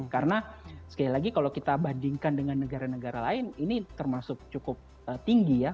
karena sekali lagi kalau kita bandingkan dengan negara negara lain ini termasuk cukup tinggi ya